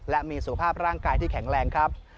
และมีสุขภาพร่างกายที่แข็งแรงครับ